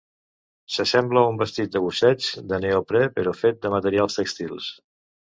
S'assembla a un vestit de busseig de neoprè però fet de materials tèxtils.